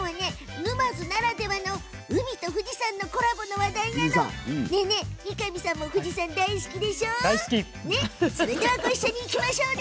沼津ならではの海と富士山のコラボの話題なの三上さんも富士山大好きですよね。